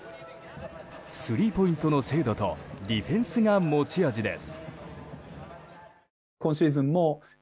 スリーポイントの精度とディフェンスが持ち味です。